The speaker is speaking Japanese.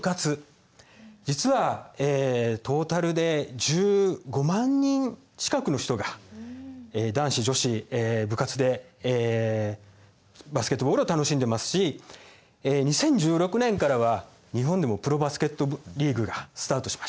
実はえトータルで１５万人近くの人が男子女子部活でバスケットボールを楽しんでますし２０１６年からは日本でもプロバスケットリーグがスタートしました。